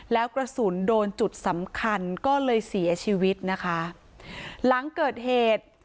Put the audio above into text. แล้วกระสุนโดนจุดสำคัญก็เลยเสียชีวิตนะคะหลังเกิดเหตุ